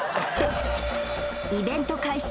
イベント開始